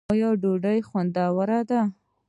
ډوډۍ خوندوره ده.